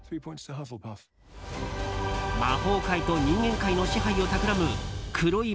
魔法界と人間界の支配をたくらむ黒い